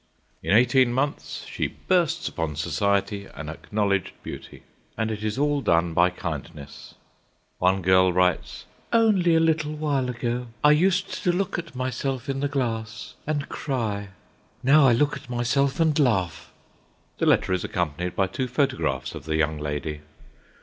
In eighteen months she bursts upon Society an acknowledged beauty. And it is all done by kindness. One girl writes: "Only a little while ago I used to look at myself in the glass and cry. Now I look at myself and laugh." The letter is accompanied by two photographs of the young lady.